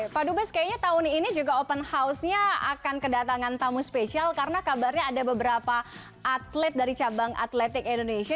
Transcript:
pak dubes kayaknya tahun ini juga open house nya akan kedatangan tamu spesial karena kabarnya ada beberapa atlet dari cabang atletik indonesia